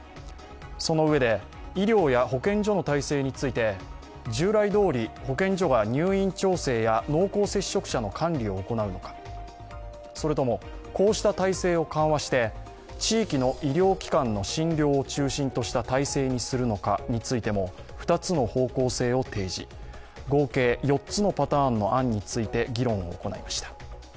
そのうえで、医療や保健所の体制について従来どおり、保健所が入院調整や濃厚接触者の管理を行うのか、それともこうした体制を緩和して地域の医療機関の診療を中心とした体制にするのかについても２つの方向性を提示、合計４つのパターンの案について議論を行いました。